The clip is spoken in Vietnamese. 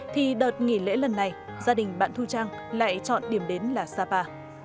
thì đợt nghỉ lễ lần này gia đình bạn thu trang lại chọn điểm đến là sapa